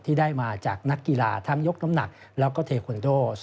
ที่ได้มาจากนักกีฬาทั้งยกน้ำหนักแล้วก็เทควันโด